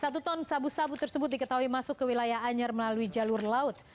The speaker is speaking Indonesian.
satu ton sabu sabu tersebut diketahui masuk ke wilayah anyer melalui jalur laut